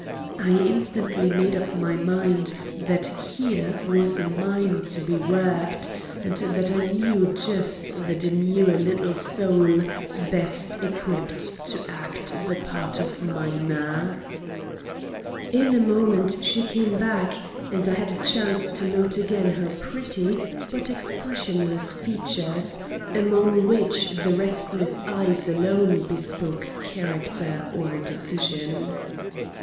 I instantly made up my mind that here was a mine to be worked and that I knew just the demure little soul best equipped to act the part of miner. In a moment she came back, and I had a chance to note again her pretty but expressionless features, among which the restless eyes alone bespoke character or decision.